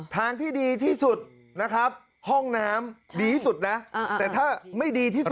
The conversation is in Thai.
ทางที่ดีที่สุดนะครับห้องน้ำดีที่สุดนะแต่ถ้าไม่ดีที่สุด